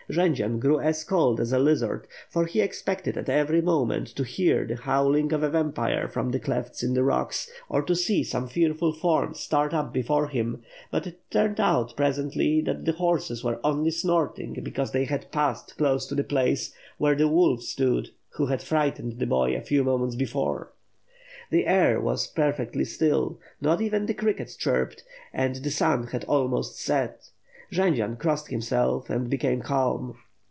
Jendzian grew as cold as a lizard, for he expected at every moment to hear the howling of a vampire from the clefts in the rocks, or to see some fearful form start up before him; but it turned out pre sently that the horses were only snorting because they had passed close by the place where the wolf stood, who had frightened the boy a few moments before. The air was perfectly still, not even the crickets chirped, and the sun had almost set. Jendzian crossed himself and became calm.